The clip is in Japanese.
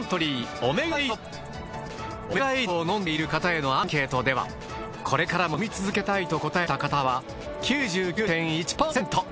オメガエイドを飲んでいる方へのアンケートではこれからも飲み続けたいと答えた方は９９．１％。